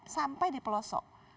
sampai di pelosok